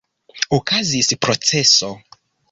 Okazis proceso.